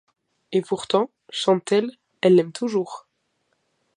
Et pourtant, chante-t-elle, elle l'aime toujours.